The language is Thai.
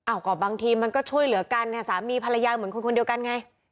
ก็บางทีมันก็ช่วยเหลือกันเนี่ยสามีภรรยาเหมือนคนคนเดียวกันไง